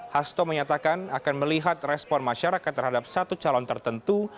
hasto menyatakan akan melihat respon masyarakat terhadap satu calon tertentu